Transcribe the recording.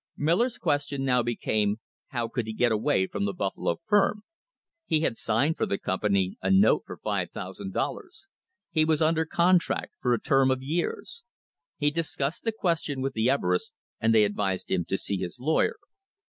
Miller's question now became, how could he get away from the Buffalo firm? He had signed for the company a note for $5,000. He was under contract for a term of years. He discussed the question with the Everests, and they advised him to see his lawyer.